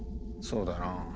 そうだな。